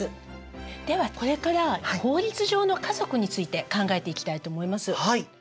ではこれから法律上の家族について考えていきたいと思います。